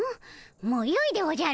もうよいでおじゃる。